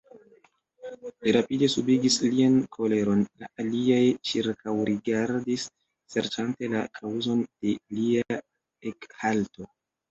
Li rapide subigis lian koleron, la aliaj ĉirkaŭrigardis serĉante la kaŭzon de lia ekhalto.